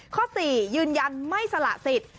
ข้อ๔ยืนยันไม่สละสิทธิ์